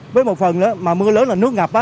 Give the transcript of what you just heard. với một phần nữa mà mưa lớn là nước ngập á